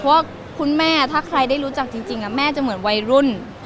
เพราะว่าคุณแม่ถ้าใครได้รู้จักจริงแม่จะเหมือนวัยรุ่น